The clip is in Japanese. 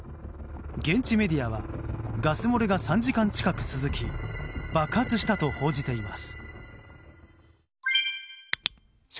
現地メディアはガス漏れが３時間近く続き爆発したと報じています。